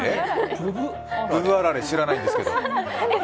ぶぶあられ知らないんですけど。